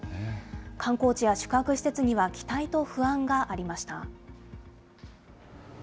観光地や宿泊施設には期待と不安がありました。